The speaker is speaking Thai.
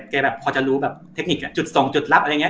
แบบพอจะรู้แบบเทคนิคจุดสองจุดลับอะไรอย่างนี้